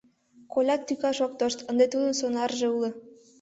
Колят тӱкаш ок тошт, ынде тудын сонарже уло.